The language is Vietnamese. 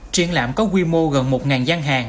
triển lãm có quy mô gần một gian hàng